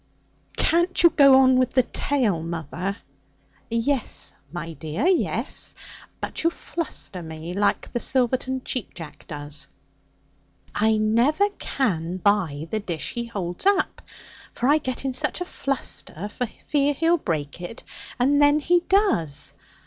'Can't you go on with the tale, mother?' 'Yes, my dear, yes. But you fluster me like the Silverton Cheap jack does; I never can buy the dish he holds up, for I get in such a fluster for fear he'll break it, and then he does.